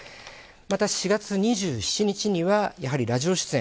また、４月２７日にはラジオ出演。